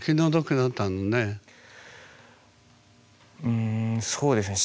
うんそうですね。